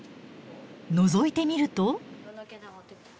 のぞいてみると。